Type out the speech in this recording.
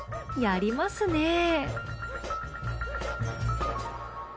やりますね！